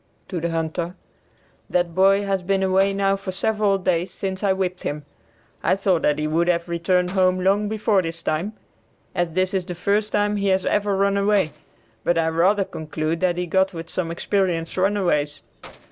(To the hunter.) "That boy has been away now for several days since I whipped him. I thought that he would have returned home long before this time, as this is the first time he has ever run away; but I rather conclude that he got with some experienced runaways.